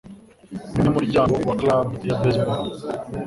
Ni umunyamuryango wa club ya baseball.